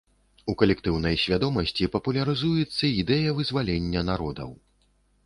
У калектыўнай свядомасці папулярызуецца ідэя вызвалення народаў.